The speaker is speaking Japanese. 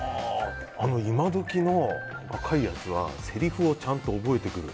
今どきの若いやつはせりふをちゃんと覚えてくる。